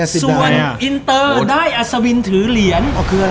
ส่วนอินเตอร์ได้อัศวินถือเหรียญ